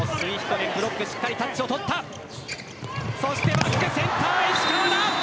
バックセンター、石川だ。